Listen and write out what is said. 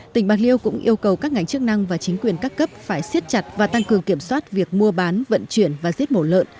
tỉnh bạc liêu cũng yêu cầu các ngành chức năng và chính quyền các cấp phải siết chặt và tăng cường kiểm soát việc mua bán vận chuyển và giết mổ lợn